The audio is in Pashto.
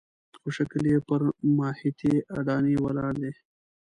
خو شکل یې پر ماهیتي اډانې ولاړ دی.